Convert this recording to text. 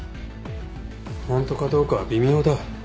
ホントかどうかは微妙だ。